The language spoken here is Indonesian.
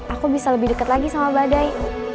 aku bisa lebih dekat lagi sama badai